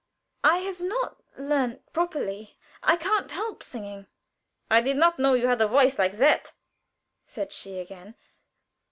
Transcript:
"I have not learned properly. I can't help singing." "I did not know you had a voice like that," said she again.